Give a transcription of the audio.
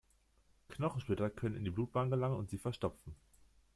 Knochensplitter können in die Blutbahnen gelangen und sie verstopfen.